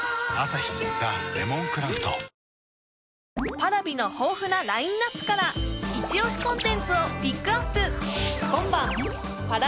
Ｐａｒａｖｉの豊富なラインナップから一押しコンテンツをピックアップ